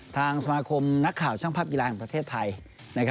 ทางสมาคมนักข่าวช่างภาพกีฬาแห่งประเทศไทย